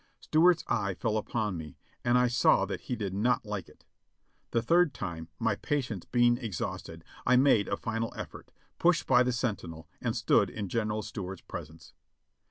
Stuart's eye fell upon me, and I saw that he did not like it. The third time, my patience being exhausted, I made a final effort, pushed by the sentinel, and stood in General Stuart's presence.